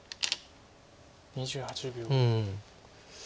２８秒。